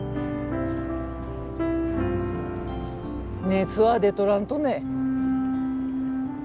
熱は出とらんとね？